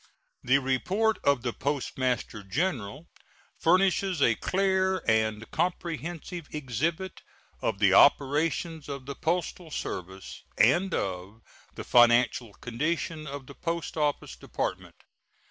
The report of the Postmaster General furnishes a clear and comprehensive exhibit of the operations of the postal service and of the financial condition of the Post Office Department.